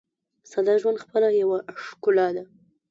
ساده ژوند خپله یوه ښکلا ده.